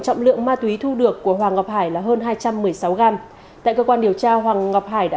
trọng lượng ma túy thu được của hoàng ngọc hải là hơn hai trăm một mươi sáu gram tại cơ quan điều tra hoàng ngọc hải đã